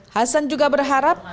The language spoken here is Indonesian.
hasan juga berharap